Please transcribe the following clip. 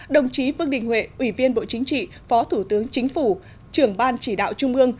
đồng chí vương đình huệ ủy viên bộ chính trị phó thủ tướng chính phủ trưởng ban chỉ đạo trung ương